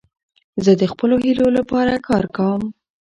زه د خپلو هیلو له پاره کار کوم.